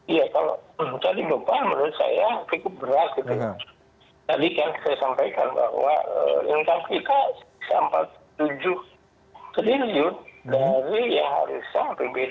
iya kalau tadi beban menurut saya cukup berat gitu